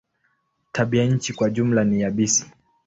Tabianchi kwa jumla ni yabisi.